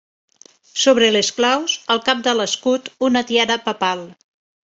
Sobre les claus, al cap de l'escut, una tiara papal.